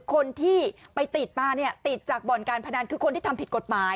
คนที่ไปติดมาเนี่ยติดจากบ่อนการพนันคือคนที่ทำผิดกฎหมาย